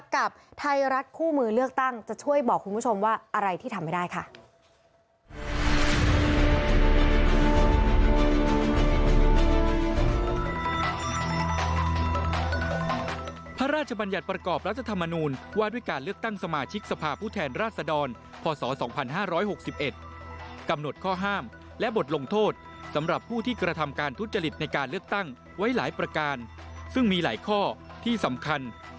กับไทยรัฐคู่มือเลือกตั้งจะช่วยบอกคุณผู้ชมว่าอะไรที่ทำไม่ได้ค่ะ